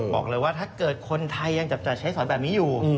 บอกเลยว่าถ้าเกิดคนไทยยังจับจ่ายใช้สอยแบบนี้อยู่